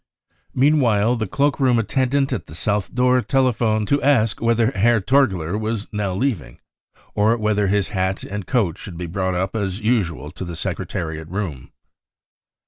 " Meanwhile the cloak room attendant at the south door telephoned to ask whether Herr Torgler was now leaving, or whether his hat and coat should be brought up as usual to the Secretariat room.